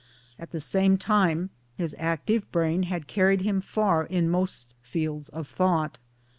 At the same time his active brain had carried 1 him far in most fields of thought.